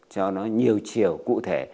cho nó nhiều chiều cụ thể